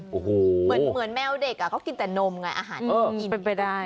อ่อโหโหเหมือนแมวเด็กกินแต่นมไง